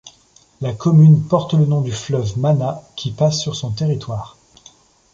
La commune porte le nom du fleuve Mana qui passe sur son territoire.